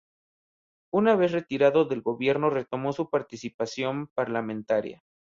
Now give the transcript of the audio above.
Una vez retirado del gobierno, retomó su participación parlamentaria.